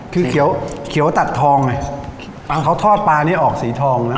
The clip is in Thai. คือเขียวเขียวตัดทองไงปลาเขาทอดปลานี้ออกสีทองนะ